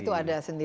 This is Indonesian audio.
itu ada sendiri